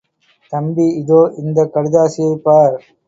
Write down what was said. தம்பி, இதோ இந்தக் கடுதாசியைப் பார்.